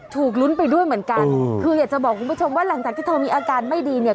ถูกลุ้นไปด้วยเหมือนกันคืออยากจะบอกคุณผู้ชมว่าหลังจากที่เธอมีอาการไม่ดีเนี่ย